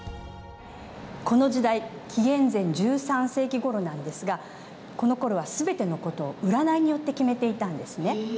この時代紀元前１３世紀ごろなんですがこのころは全ての事を占いによって決めていたんですね。